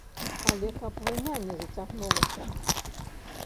Але каб вайна не зацягнулася.